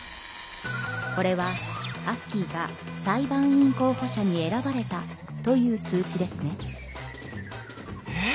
これはアッキーが裁判員候補者に選ばれたという通知ですね。え！？